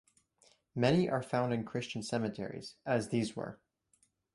Many are found in Christian cemeteries, as these were.